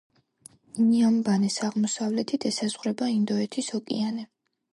ინიამბანეს აღმოსავლეთით ესაზღვრება ინდოეთის ოკეანე.